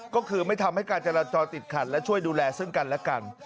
ก็คือไม่ทำให้การจราจรติดขัดและช่วยดูแลซึ่งกันและกัน